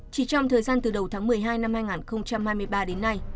chỉ trong thời gian từ đầu tháng một mươi hai năm hai nghìn hai mươi ba đến nay